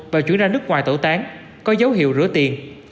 và chuyển ra nước ngoài tẩu tán có dấu hiệu rửa tiền